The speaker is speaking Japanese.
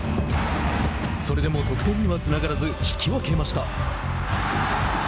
それでも得点にはつながらず引き分けました。